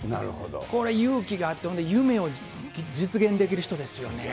これは勇気があって、ほんで、夢を実現できる人ですよね。